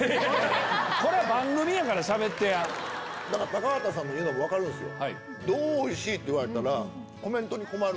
高畑さんが言うのも分かるんすよ。